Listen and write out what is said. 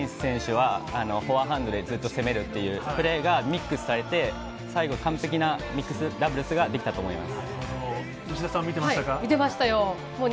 水谷選手はフォアハンドでずっと攻めるっていうプレーがミックスされて最後に完璧なミックスダブルスができたと思います。